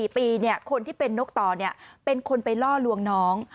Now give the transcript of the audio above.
๔ปีคนที่เป็นนกต่อเป็นคนไปล่อลวงน้อง